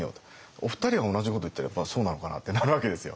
お二人が同じこと言ったらやっぱりそうなのかなってなるわけですよ。